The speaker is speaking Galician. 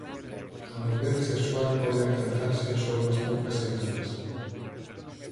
A madurez sexual pode alcanzarse en só unhas poucas semanas.